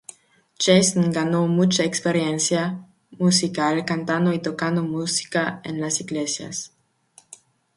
Jason ganó mucha experiencia musical cantando y tocando música en las iglesias.